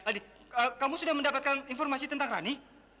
adit kamu sudah mendapatkan informasi tentang rani